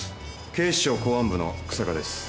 警視庁公安部の日下です。